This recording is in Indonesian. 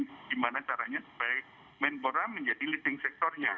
gimana caranya supaya men pora menjadi leading sektornya